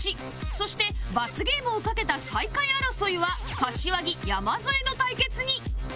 そして罰ゲームをかけた最下位争いは柏木山添の対決に